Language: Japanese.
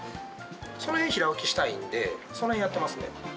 その辺平置きしたいんでその辺やってますね。